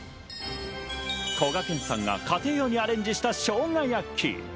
こがけんさんが家庭用にアレンジした生姜焼き。